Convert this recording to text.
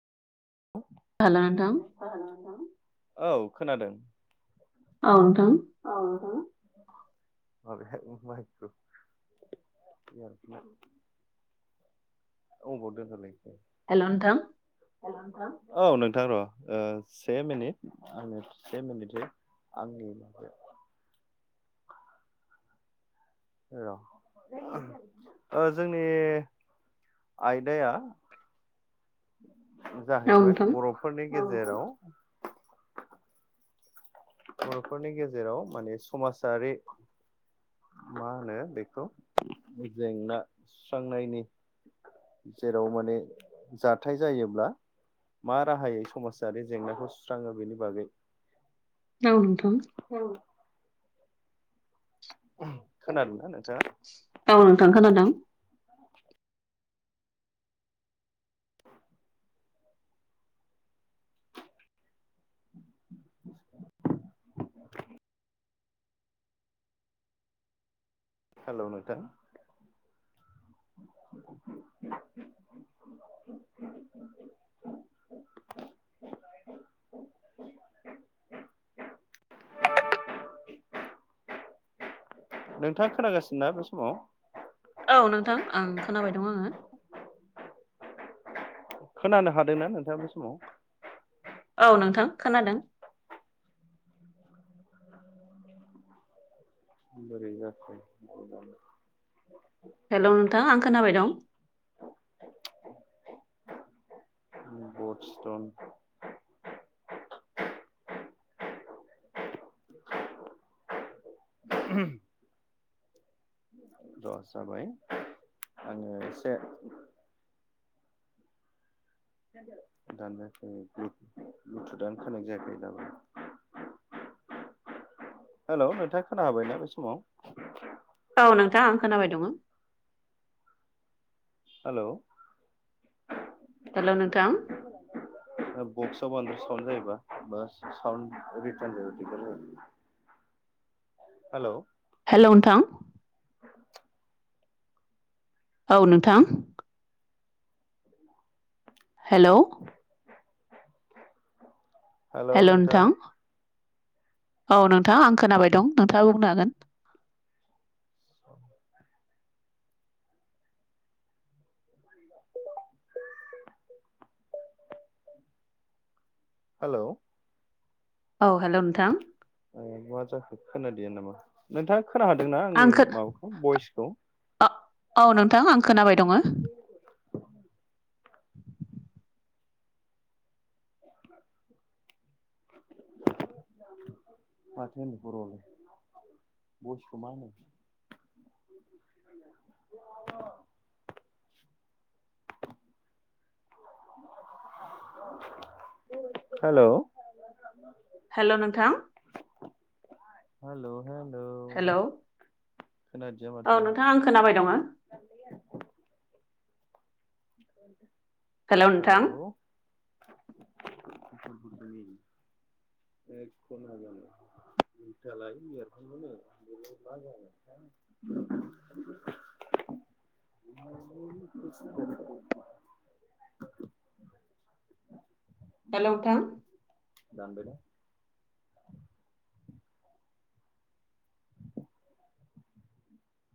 खोनादों ना नोंथां औ खोनादों। औ नोंथां। [inaudible] [inaudible] [inaudible] हेल' नोंथां औ नोंथां र' से मिनिट आंनो से मिनिट आंनि र' जोंनि आयदाया औ जाहैबाय नोंथां बर'फोरनि गेजेराव बर'फोरनि गेजेराव माने समाजारि मा होनो बेखौ जेंना सुस्रांनायनि जेराव माने जाथाय जायोब्ल मा राहायै समाजारि जेंनाखौ सुस्राङो बेनि बाग औ नोथां? [inaudible] खोनादों ना नोंथाङा? औ नोंथां खोनादों। हेल' नोंथा? नोंथांङा खोनागासिनोना बे समाव? औ नोंथां आं खोनाबाय दं आंङो। खोनानो हादोंना नोंथांङा बे समा? औ नोंथां खोनादों। [inaudible] हेल' नोंथां आं खोनाबाय दं। [inaudible] र' जाबाय आंङो एसे दान जायाखै ब्लुथुदानो खानेक जायाखै दाबो-' हेल' नोंथांङा खोना बायना बे समाव? औ नोंथांङा आं खोनाबाय दंङ'। हेल'? हेल' नोंथां? बक्सआव बांद्राय सावन जायोबा बा सावन रितारन जायाबा दिगदार जागोन। हेल'? हेल' नोंथां? औ नोंथां। हेल'? हेल' नोंथां औ नोंथां आं खोनाबाय दं नोंथांङा बुंनो हागोन। हेल'? औ हेल' नोंथां। मा जाखो खोनादिया नामा नोंथांङा खोनादोंना आं आंनि खो माबाखौ बइसखौ औ नोंथां आं खोनाबाय दंङ। [inaudible] माथो होनो बर'आवलाय बयसखौ मा होनो? औव हेल'? हेल' नोंथां? हेल' हेल'? हेल' खोनादिया औ माथो नोंथां आं खोनाबाय दंङ हेल' नोंथां। [inaudible] [inaudible] [inaudible] [inaudible] [inaudible] हेल' नोंथां? दानबाय दा।